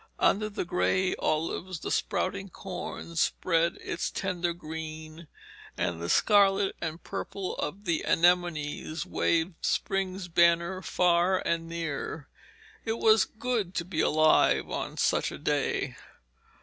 Under the grey olives the sprouting corn spread its tender green, and the scarlet and purple of the anemones waved spring's banner far and near. It was good to be alive on such a day.